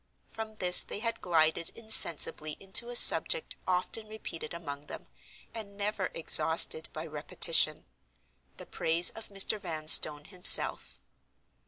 From this they had glided insensibly into a subject often repeated among them, and never exhausted by repetition—the praise of Mr. Vanstone himself.